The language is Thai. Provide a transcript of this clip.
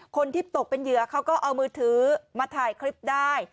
คนที่ตกเป็นเหยื่อเขาก็เอามือถือมาถ่ายคลิปได้